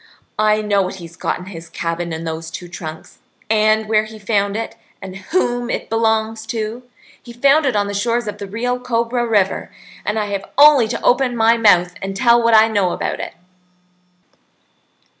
I know what he's got in his cabin in those two trunks, and where he found it, and whom it belongs to. He found it on the shores of the Rio Cobra River, and I have only to open my mouth and tell what I know about it."